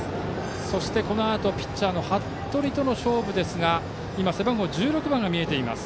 そして、このあとピッチャーの服部との勝負ですが今、背番号１６番が見えています。